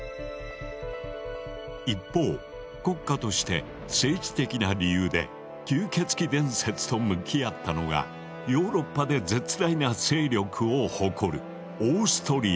一方国家として政治的な理由で吸血鬼伝説と向き合ったのがヨーロッパで絶大な勢力を誇るオーストリアだ。